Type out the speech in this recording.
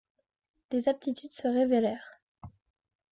Des aptitudes se révélèrent.